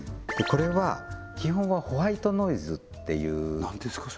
これは基本はホワイトノイズっていう何ですか？